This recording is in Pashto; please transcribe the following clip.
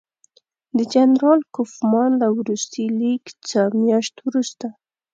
د جنرال کوفمان له وروستي لیک څه میاشت وروسته.